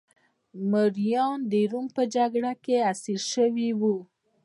مریان د روم په جګړه کې اسیر شوي وو